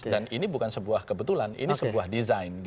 dan ini bukan sebuah kebetulan ini sebuah design